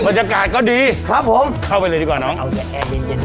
บรรยากาศก็ดีครับผมเข้าไปเลยดีกว่าน้องอ้าวแต่แอบยีนยนต์